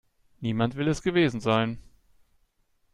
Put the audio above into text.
Niemand will es gewesen sein.